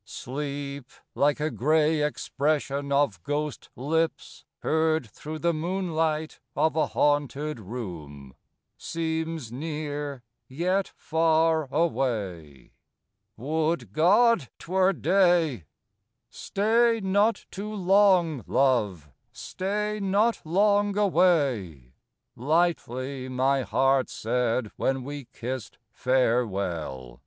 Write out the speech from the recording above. Sleep, like a gray expression of ghost lips Heard through the moonlight of a haunted room, Seems near yet far away. Would God 'twere day! II "Stay not too long, love, stay not long away!" Lightly my heart said when we kissed farewell.